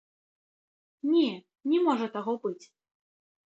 Не, не можа таго быць!